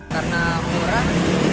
karena murah sama kualitasnya juga bagus